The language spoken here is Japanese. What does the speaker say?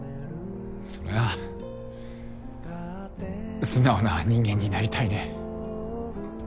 そらぁ素直な人間になりたいね。